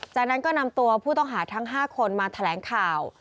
จากนั้นก็นำตัวผู้ต้องหาทั้ง๕คนมาแถลงข่าว